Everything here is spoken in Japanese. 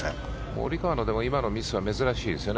モリカワの今のミスは珍しいですよね。